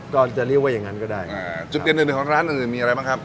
ก็จะเรียกว่าอย่างนั้นก็ได้จุดเด่นอื่นของร้านอื่นมีอะไรบ้างครับ